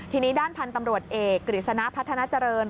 ทีนี้ด้านพันธุ์ตำรวจเอกกฤษณะพัฒนาเจริญ